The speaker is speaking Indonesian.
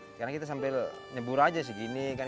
sekarang kita sambil nyebur aja segini kan